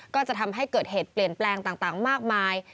ก็จะทำให้เกิดเหตุเปลี่ยนแปลงต่างมากมาย